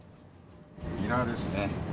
ニラですね。